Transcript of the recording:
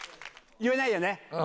言えないね。